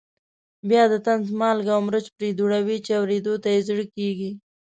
بیا د طنز مالګه او مرچ پرې دوړوي چې اورېدو ته یې زړه کېږي.